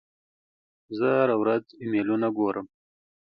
زه هره ورځ ایمیلونه ګورم.